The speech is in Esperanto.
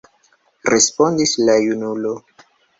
respondis la junulo.